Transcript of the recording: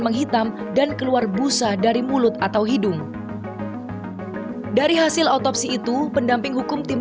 menghitam dan keluar busa dari mulut atau hidung dari hasil otopsi itu pendamping hukum tim